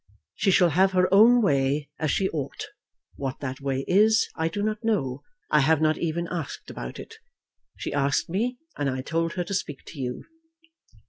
"She shall have her own way, as she ought. What that way is I do not know. I have not even asked about it. She asked me, and I told her to speak to you."